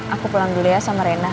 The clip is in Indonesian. aku pulang dulu ya sama rena